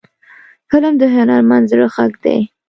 فلم د هنرمند زړه غږ دی